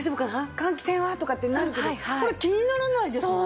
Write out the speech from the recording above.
換気扇は？とかってなるけどこれ気にならないですよね。